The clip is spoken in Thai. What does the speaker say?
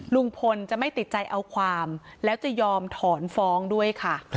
ลุงพลจะไม่ติดใจเอาความแล้วจะยอมถอนฟ้องด้วยค่ะ